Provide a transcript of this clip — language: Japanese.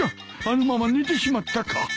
あのまま寝てしまったか。